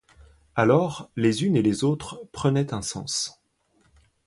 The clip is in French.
Alors les unes et les autres prenaient un sens.